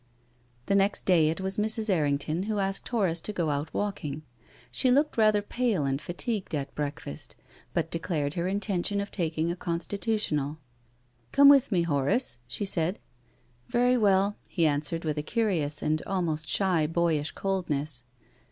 The next day it was Mrs. Errington who asked Horace to go out walking. She looked rather pale and fatigued at breakfast, but declared her intention of taking a constitutional. " Come with me, Horace," she said. " Very well," he answered, with a curious and almost shy boyish coldness.